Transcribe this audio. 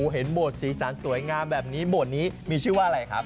โบสถสีสันสวยงามแบบนี้โบสถ์นี้มีชื่อว่าอะไรครับ